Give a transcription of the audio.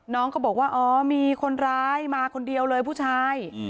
น้องก็บอกว่าอ๋อมีคนร้ายมาคนเดียวเลยผู้ชาย